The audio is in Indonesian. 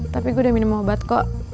tapi gue udah minum obat kok